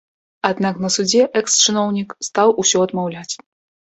Аднак на судзе экс-чыноўнік стаў усё адмаўляць.